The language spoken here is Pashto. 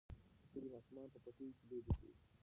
د کلي ماشومان په پټیو کې لوبې کوي.